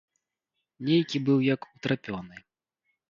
Нейкі быў як утрапёны.